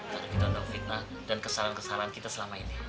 karena kita nang fitnah dan kesalahan kesalahan kita selama ini